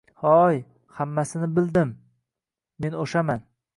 -Ho-o-oy! Hammasini bildi-i-i-im. Men o’shaman!